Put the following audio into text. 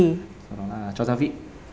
rồi đó là cho gia vị